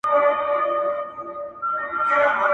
سبا او بله ورځ به،